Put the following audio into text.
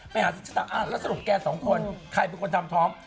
ไปหาชะตาแล้วสรุปแกสองคนใครเป็นคนทำท้อง